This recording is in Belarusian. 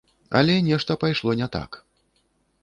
Але нешта пайшло не так.